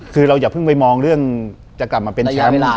คือเราอย่าเพิ่งไปมองเรื่องจะกลับมาเป็นแชมป์